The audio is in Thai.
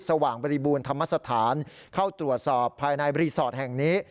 ว่างบริบูรณธรรมสถานเข้าตรวจสอบภายในรีสอร์ทแห่งนี้